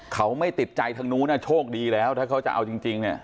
เขาไม่ติดใจทางนู้นโชคดีแล้วถ้าเขาจะเอาจริงเนี่ย